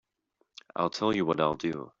I'll tell you what I'll do.